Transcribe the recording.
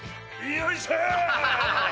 よいしょ！